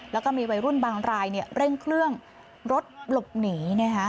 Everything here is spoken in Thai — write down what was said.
แล้วก็มีวัยรุ่นบางรายเร่งเครื่องรถหลบหนี